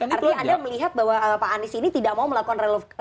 artinya anda melihat bahwa pak anies ini tidak mau melakukan relokasi